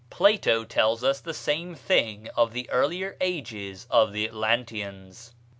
Plato tells us the same thing of the earlier ages of the Atlanteans.